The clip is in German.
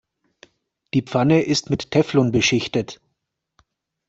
Die Pfanne ist mit Teflon beschichtet.